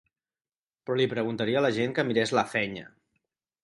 Però li preguntaria a la gent que mirés la feina.